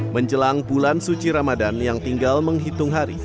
menjelang bulan suci ramadan yang tinggal menghitung hari